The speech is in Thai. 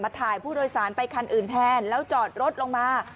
ถ่ายผู้โดยสารไปคันอื่นแทนแล้วจอดรถลงมา